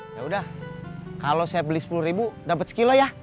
yaudah kalau saya beli sepuluh ribu dapet sekilo ya